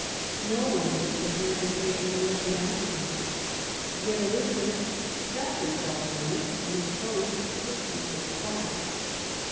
No one was prepared to take any open action. Yet Elizabeth felt herself menaced and exposed to secret plots.